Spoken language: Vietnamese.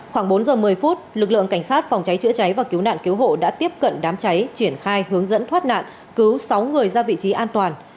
khoảng bốn giờ một mươi phút lực lượng cảnh sát phòng cháy chữa cháy và cứu nạn cứu hộ đã tiếp cận đám cháy triển khai hướng dẫn thoát nạn cứu sáu người ra vị trí an toàn